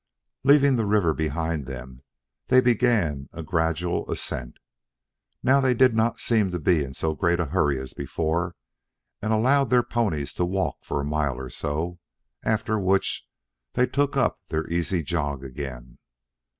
Leaving the river behind them, they began a gradual ascent. Now they did not seem to be in so great a hurry as before, and allowed their ponies to walk for a mile or so, after which they took up their easy jog again.